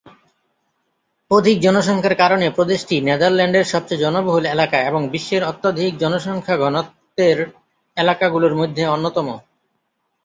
অধিক জনসংখ্যার কারণে প্রদেশটি নেদারল্যান্ডের সবচেয়ে জনবহুল এলাকা এবং বিশ্বের অত্যধিক জনসংখ্যা ঘনত্বের এলাকাগুলোর মধ্যে অন্যতম।